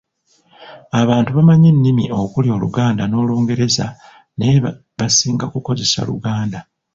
Abantu bamanyi ennimi okuli Oluganda n’Olungereza naye basinga kukozesa Luganda.